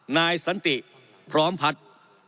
นายสันติพร้อมพัฒน์